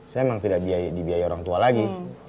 saya memang tidak dibiayai orang tua lagi